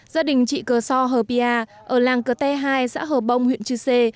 gia đình chị cờ so hờ pia ở làng cờ tây hai xã hờ bông huyện chư sê